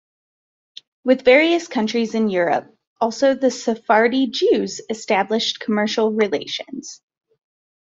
With various countries in Europe also the Sephardi Jews established commercial relations.